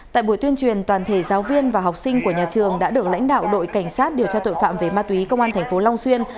tại buổi tuyên truyền toàn thể giáo viên và học sinh của nhà trường đã được lãnh đạo đội cảnh sát điều tra tội phạm về ma túy công an thành phố long xuyên